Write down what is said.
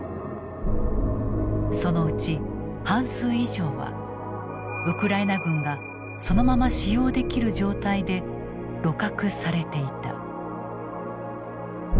そのうち半数以上はウクライナ軍がそのまま使用できる状態で鹵獲されていた。